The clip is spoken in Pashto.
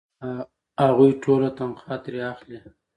هغوی ټوله تنخوا ترې اخلي.